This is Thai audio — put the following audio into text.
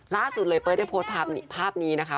ล่าสุดเลยเป้ยได้โพสต์ภาพนี้นะคะ